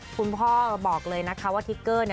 คุณพ่อบอกเลยนะคะว่าทิกเกอร์